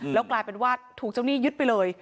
แล้วกลายเป็นว่าถูกเจ้าหนี้ยึดไปเลย